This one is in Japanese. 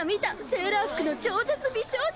セーラー服の超絶美少女！